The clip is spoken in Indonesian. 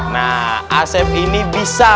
nah asep ini bisa